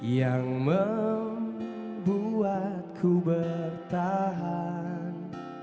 yang membuatku bertahan